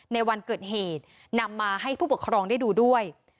ในวันเกิดเหตุนำมาให้ผู้ปกครองได้ดูด้วย